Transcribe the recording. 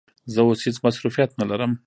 زه اوس هیڅ مصروفیت نه لرم.